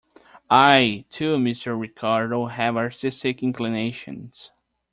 I, too, Mr. Ricardo, have artistic inclinations.